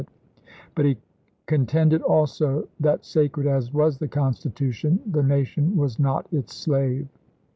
it; but he contended also that sacred as was the Constitution the nation was not its slave.